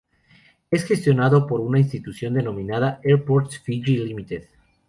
Es gestionado por una institución denominada Airports Fiji Limited.